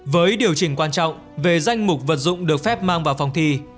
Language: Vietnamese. với điều chỉnh quan trọng về danh mục vật dụng được phép mang vào phòng thi